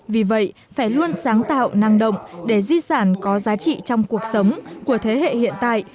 vì vậy phải luôn sáng tạo năng động để di sản có giá trị trong cuộc sống của thế hệ hiện tại